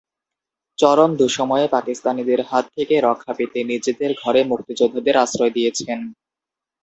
চরম দুঃসময়ে পাকিস্তানিদের হাত থেকে রক্ষা পেতে নিজেদের ঘরে মুক্তিযোদ্ধাদের আশ্রয় দিয়েছেন।